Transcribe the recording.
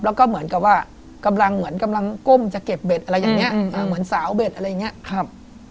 แล้วก็เหมือนกับว่ากำลังก้มจะเก็บเบ็ดอะไรอย่างนี้เหมือนสาวเบ็ดอะไรอย่างนี้